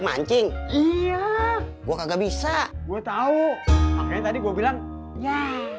mancing iya gua kagak bisa gue tahu tadi gua bilang ya